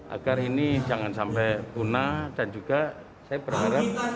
agar ini jangan sampai punah dan juga saya berharap